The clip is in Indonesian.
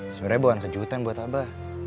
sebenarnya bukan kejutan buat abah